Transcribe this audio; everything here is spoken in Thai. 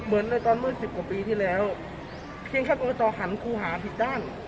เหมือนในตอนเมื่อสิบกว่าปีที่แล้วเพียงแค่กรกตหันครูหาผิดด้าน